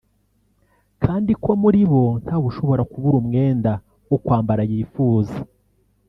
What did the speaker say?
kandi ko muri bo ntawe ushobora kubura umwenda wo kwambara yifuza